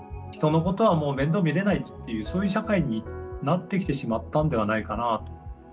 人のことはもう面倒見れないっていうそういう社会になってきてしまったんではないかなと。